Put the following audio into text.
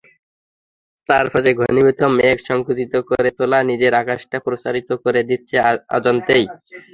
চারপাশে ঘনীভূত মেঘ সংকুচিত করে তোলা নিজের আকাশটা প্রসারিত করে দিচ্ছে অজান্তেই।